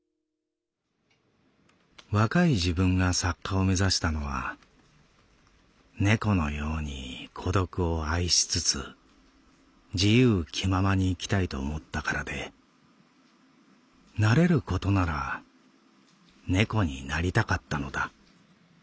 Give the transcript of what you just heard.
「若い自分が作家を目指したのは猫のように孤独を愛しつつ自由気ままに生きたいと思ったからでなれることなら猫になりたかったのだ。